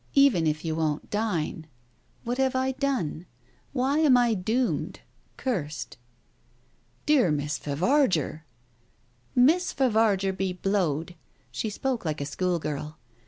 "Even if you won't dine? What have I done? Why am I doomed? Cursed. ..." "My dear Miss Favarger !..." "Miss Favarger be blowed!" She spoke like a school girl.